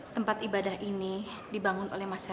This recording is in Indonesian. kamu sudah lama menggantikan saya